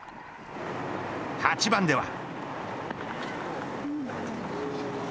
８番では。